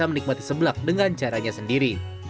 menikmati seblak dengan caranya sendiri